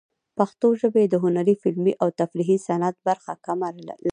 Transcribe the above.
پښتو ژبه د هنري، فلمي، او تفریحي صنعت برخه کمه لري.